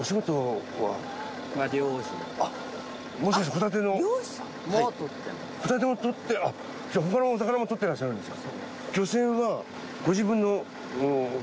ホタテも獲ってじゃあ他のお魚も獲ってらっしゃるんですか？